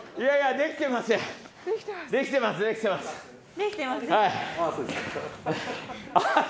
できてます。